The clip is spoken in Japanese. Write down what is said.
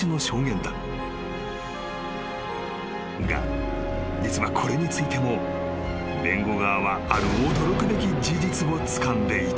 ［が実はこれについても弁護側はある驚くべき事実をつかんでいた］